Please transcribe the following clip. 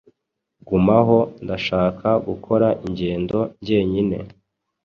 Gumaho ndashaka gukora ingendo njyenyine.